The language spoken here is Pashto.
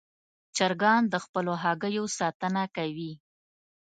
چرګان د خپلو هګیو ساتنه کوي.